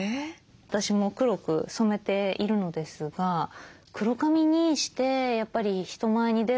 私も黒く染めているのですが黒髪にしてやっぱり人前に出るってお仕事を続けていく場合は